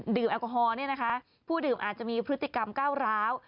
แอลกอฮอลเนี่ยนะคะผู้ดื่มอาจจะมีพฤติกรรมก้าวร้าว